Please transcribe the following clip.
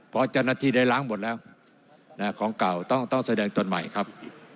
เพราะจะนัดทีได้ล้างหมดแล้วและของเก่าต้องต้องแสดงตนใหม่ครับ